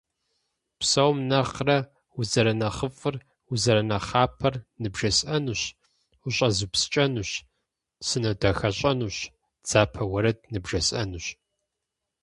Псом нэхъырэ узэрынэхъыфӏыр, узэрынэхъапэр ныбжесӏэнущ, ущӏэзупскӏэнущ, сынодахэщӏэнущ, дзапэ уэрэд ныбжесӏэнущ.